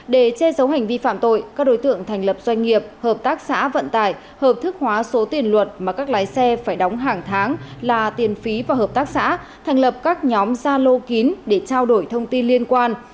để che giấu hành vi phạm tội các đối tượng thành lập doanh nghiệp hợp tác xã vận tải hợp thức hóa số tiền luật mà các lái xe phải đóng hàng tháng là tiền phí và hợp tác xã thành lập các nhóm gia lô kín để trao đổi thông tin liên quan